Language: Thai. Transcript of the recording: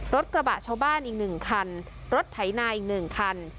รถกระบะชาวบ้านอีก๑คันรถไถนาอีก๑คัน